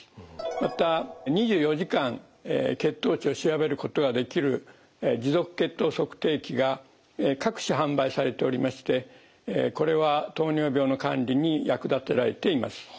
また２４時間血糖値を調べることができる持続血糖測定器が各種販売されておりましてこれは糖尿病の管理に役立てられています。